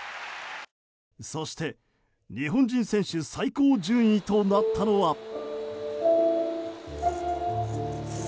そして、日本人選手最高順位となったのは。